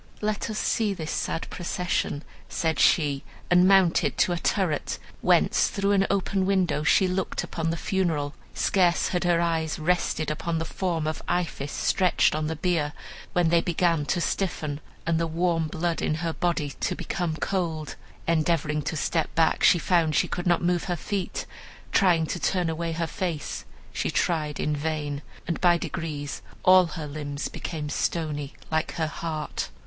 "'Let us see this sad procession,' said she, and mounted to a turret, whence through an open window she looked upon the funeral. Scarce had her eyes rested upon the form of Iphis stretched on the bier, when they began to stiffen, and the warm blood in her body to become cold. Endeavoring to step back, she found she could not move her feet; trying to turn away her face, she tried in vain; and by degrees all her limbs became stony like her heart.